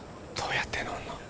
どうやって乗るの？